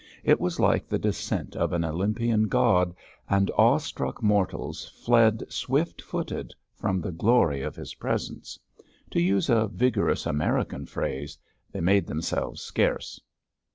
It was like the descent of an Olympian god, and awestruck mortals fled swift footed from the glory of his presence. To use a vigorous American phrase, they made themselves scarce.